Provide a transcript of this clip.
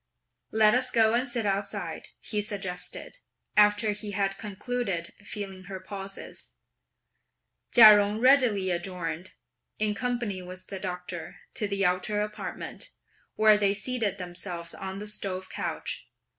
"Let us go and sit outside," he suggested, after he had concluded feeling her pulses. Chia Jung readily adjourned, in company with the Doctor, to the outer apartment, where they seated themselves on the stove couch.